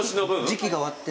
時季が終わって。